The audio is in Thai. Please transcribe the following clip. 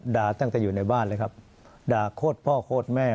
ตั้งแต่อยู่ในบ้านเลยครับด่าโคตรพ่อโคตรแม่